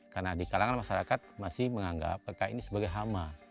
karena di kalangan masyarakat masih menganggap kekah ini sebagai hama